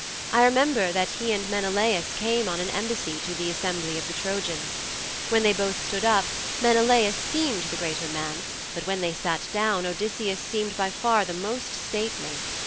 I remember that he and Menelaus came on an embassy to the assembly of the Trojans. When they both stood up, Menelaus seemed the greater man, but when they sat down Odysseus seemed by far the most stately.